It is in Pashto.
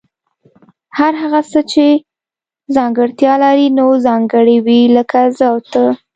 هر هغه څه چي ځانګړتیا لري نو ځانګړي وي لکه زه او ته